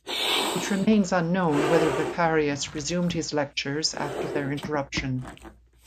It remains unknown whether Vacarius resumed his lectures after their interruption.